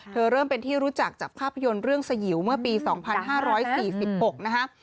เริ่มเป็นที่รู้จักจากภาพยนตร์เรื่องสยิวเมื่อปี๒๕๔๖นะคะ